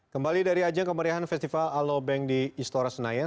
kembali dari ajang kemeriahan festival alobank di istora senayan